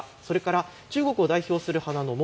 中国を代表する花の桃。